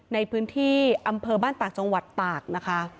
ในพื้นที่อำเภอบ้านตากจังหวัดตากนะคะ